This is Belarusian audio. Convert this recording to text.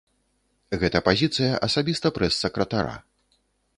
Гэта пазіцыя асабіста прэс-сакратара.